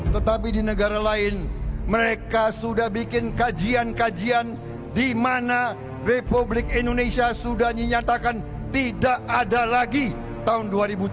tetapi di negara lain mereka sudah bikin kajian kajian di mana republik indonesia sudah menyatakan tidak ada lagi tahun dua ribu tujuh belas